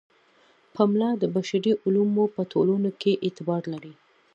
پملا د بشري علومو په ټولنو کې اعتبار لري.